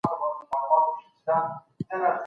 نصرالله زرتشتي د کیڼ مورچل مشري کوله.